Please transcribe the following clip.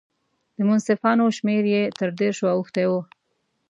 د مصنفاتو شمېر یې تر دېرشو اوښتی و.